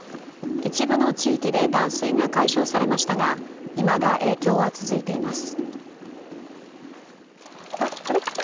一部の地域で断水が解消されましたが、いまだ影響は続いています。